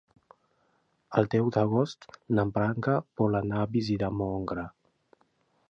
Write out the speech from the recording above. El deu d'agost na Blanca vol anar a visitar mon oncle.